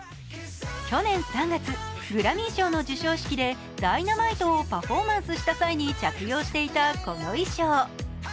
去年３月、グラミー賞の授賞式で「Ｄｙｎａｍｉｔｅ」をパフォーマンスした際に着用していたこの衣裳。